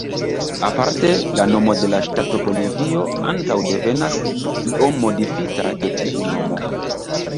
Aparte, la nomo de la ŝtato Bolivio ankaŭ devenas, iom modifita, de tiu nomo.